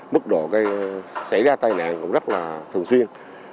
mức độ gây xảy ra tai nạn cũng rất là thường xuyên